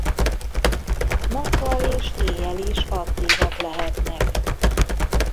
Nappal és éjjel is aktívak lehetnek.